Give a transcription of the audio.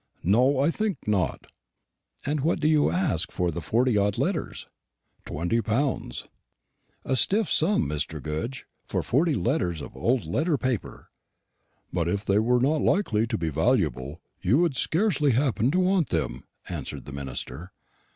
No, I think not." "And what do you ask for the forty odd letters?" "Twenty pounds." "A stiff sum, Mr. Goodge, for forty sheets of old letter paper." "But if they were not likely to be valuable, you would scarcely happen to want them," answered the minister.